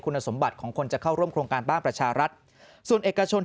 คุณสมบัติของคนจะเข้าร่วมโครงการบ้านประชารัฐส่วนเอกชน